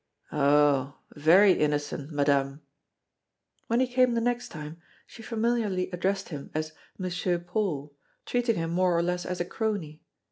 "Oh! very innocent, Madame!" When he came the next time, she familiarly addressed him as "Monsieur Paul," treating him more or less as a crony.